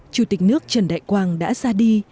chủ tịch nước trần đại quang đã ra đi